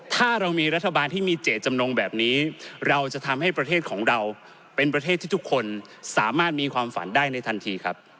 ถ้าเรามีรัฐบาลที่มีเจตจำนงแบบนี้เราจะทำให้ประเทศของเราเป็นประเทศที่ทุกคนสามารถมีความฝันได้ในทันทีครับ